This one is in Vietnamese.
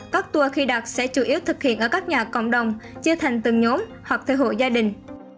các tour khi đặt sẽ chủ yếu thực hiện ở các nhà cộng đồng chia thành từng nhóm hoặc theo hộ gia đình